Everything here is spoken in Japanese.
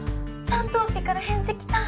担当ぴから返事来た！